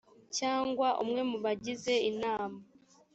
cyangwa umwe mu bagize inama